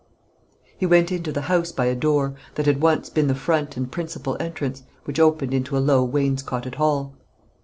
He went into the house by a door, that had once been the front and principal entrance, which opened into a low wainscoted hall.